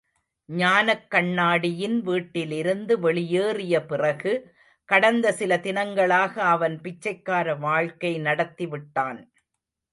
ஞானக் கண்ணாடியின் வீட்டிலிருந்து வெளியேறிய பிறகு, கடந்த சில தினங்களாக அவன் பிச்சைக்கார வாழ்க்கை நடத்தி விட்டான்.